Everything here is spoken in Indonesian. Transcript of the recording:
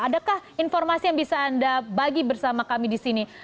adakah informasi yang bisa anda bagi bersama kami di sini